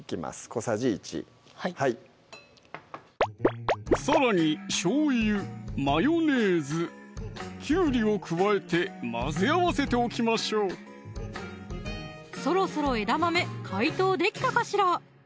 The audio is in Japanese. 小さじ１はいさらにしょうゆ・マヨネーズ・きゅうりを加えて混ぜ合わせておきましょうそろそろ枝豆解凍できたかしら？